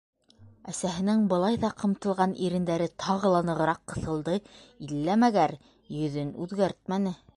Әсәһенең былай ҙа ҡымтылған ирендәре тағы ла нығыраҡ ҡыҫылды, иллә-мәгәр йөҙөн үҙгәртмәне: